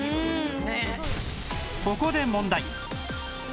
ここで問題